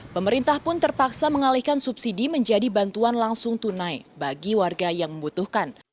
pemerintah pun terpaksa mengalihkan subsidi menjadi bantuan langsung tunai bagi warga yang membutuhkan